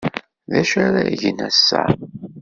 D acu ara gen ass-a?